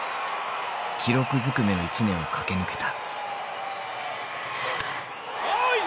記録ずくめの一年を駆け抜けた。